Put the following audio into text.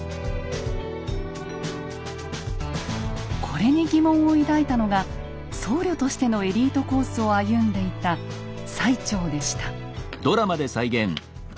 これに疑問を抱いたのが僧侶としてのエリートコースを歩んでいた最澄でした。